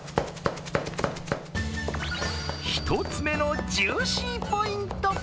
１つ目のジューシーポイント。